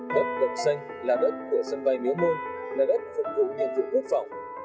đất được xanh là đất của sân bay miếu môn là đất phục vụ nhiệm vụ quốc phòng